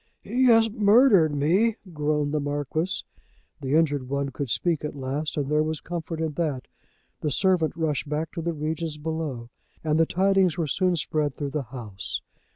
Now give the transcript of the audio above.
"He has murdered me," groaned the Marquis. The injured one could speak at least, and there was comfort in that. The servant rushed back to the regions below, and the tidings were soon spread through the house.